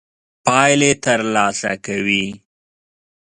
پايلې تر لاسه کوي.